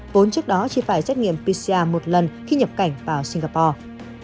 vốn trước đó chỉ phải xét nghiệm pcr một lần khi nhập cảnh vào singapore